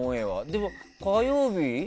でも火曜日？